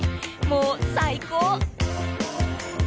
もう最高！